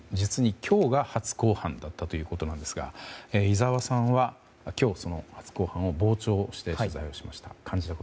今日が初公判だったということですが井澤さんは今日、その初公判を傍聴して取材をしました。